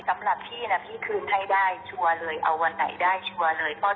สำหรับพี่นะพี่คืนให้ได้ชัวร์เลยเอาวันไหนได้ชัวร์เลย